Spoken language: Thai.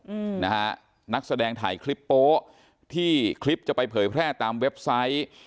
อืมนะฮะนักแสดงถ่ายคลิปโป๊ะที่คลิปจะไปเผยแพร่ตามเว็บไซต์